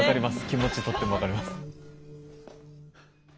気持ちとっても分かります。